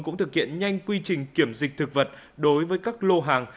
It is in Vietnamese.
cũng thực hiện nhanh quy trình kiểm dịch thực vật đối với các lô hàng